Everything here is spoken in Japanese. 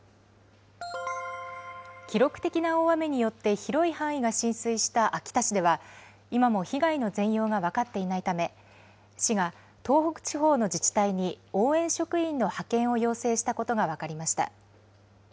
記録的な大雨によって広い範囲が浸水した秋田市では、今も被害の全容が分かっていないため、市が東北地方の自治体に、応援職員の派遣を要請したことが分かりました。